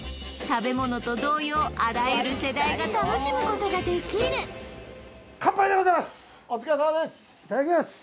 食べ物と同様あらゆる世代が楽しむことができるいただきます